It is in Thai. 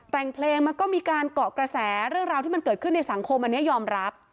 แต่งเพลงมันก็มีการเกาะกระแสเรื่องราวที่มันเกิดขึ้นในสังคมอันนี้ยอมรับ